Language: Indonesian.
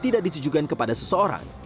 tidak disujukan kepada seseorang